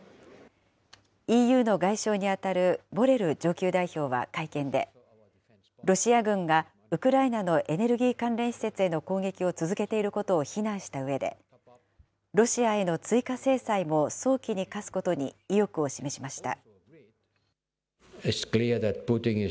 ＥＵの外相に当たるボレル上級代表は会見で、ロシア軍がウクライナのエネルギー関連施設への攻撃を続けていることを非難したうえで、ロシアへの追加制裁も早期に科すことに意欲を示しました。